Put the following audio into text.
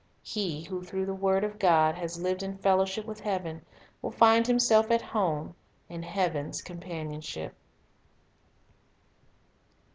He who through the word of God has lived in fellowship with heaven, will find himself at home in heaven's companionship.